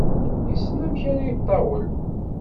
Yessen amek ara iṭawel.